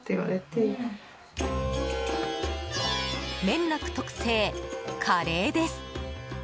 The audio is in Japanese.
麺楽特製カレーです。